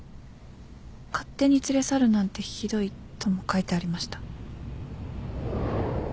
「勝手に連れ去るなんてひどい」とも書いてありました。